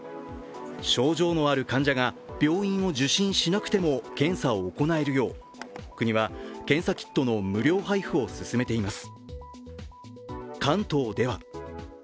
症状のある患者が病院を受診しなくても検査を行えるよう国は検査キットの無料配布を進めています。